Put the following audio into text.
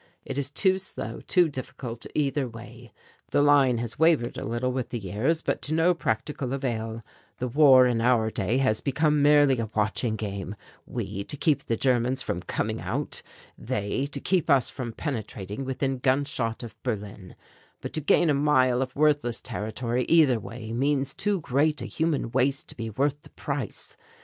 It is too slow, too difficult, either way; the line has wavered a little with the years but to no practical avail; the war in our day has become merely a watching game, we to keep the Germans from coming out, they to keep us from penetrating within gunshot of Berlin; but to gain a mile of worthless territory either way means too great a human waste to be worth the price.